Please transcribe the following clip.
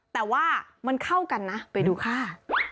แต่ว่ามันเข้ากันนะไปดูค่ะ